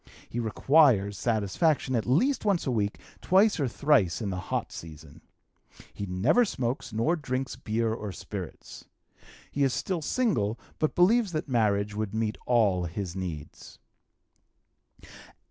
He requires satisfaction at least once a week, twice or thrice in the hot season. He never smokes, nor drinks beer or spirits. He is still single, but believes that marriage would meet all his needs.